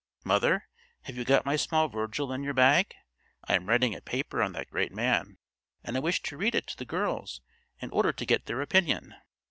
Mother, have you got my small Virgil in your bag? I am writing a paper on that great man, and I wish to read it to the girls in order to get their opinion."